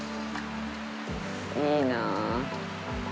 いいなあ。